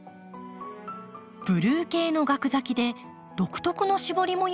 ブルー系のガク咲きで独特の絞り模様が入った花。